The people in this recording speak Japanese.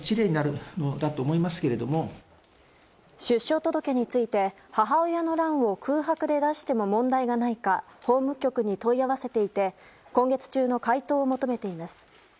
出生届について母親の欄を空白で出しても問題がないか法務局に問い合わせていて今月中の回答を求めています。